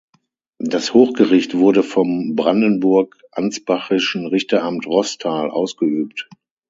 Das Hochgericht wurde vom brandenburg-ansbachischen Richteramt Roßtal ausgeübt.